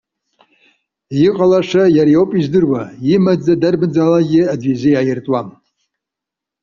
Иҟалаша иара иоуп издыруа. Имаӡа дарбанзаалак аӡәы изы иааиртуам.